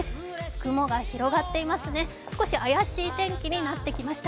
雲が広がっていますね、少し怪しい天気になってきました。